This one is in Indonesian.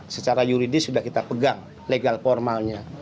secara yuridis sudah kita pegang legal formalnya